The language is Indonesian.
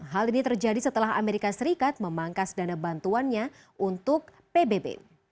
hal ini terjadi setelah amerika serikat memangkas dana bantuannya untuk pbb